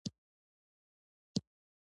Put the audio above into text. د چايو او ډوډۍ خپله وخت يي.